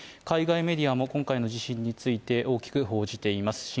海外メディアも今回の地震について大きく報じています。